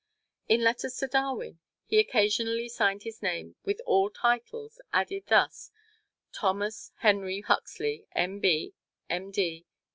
In letters to Darwin he occasionally signed his name with all titles added, thus, "Thomas Henry Huxley, M.B., M.